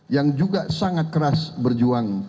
yang juga sangat keras berjuang